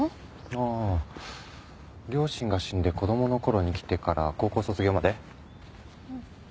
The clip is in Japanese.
ああ両親が死んで子供の頃に来てから高校卒業まで。